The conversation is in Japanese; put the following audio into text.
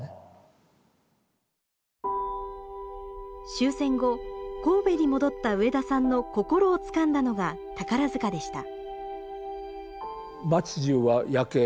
終戦後神戸に戻った植田さんの心をつかんだのが宝塚でした。